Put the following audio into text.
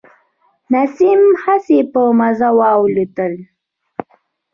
نسیم هسي په مزه و الوتلی.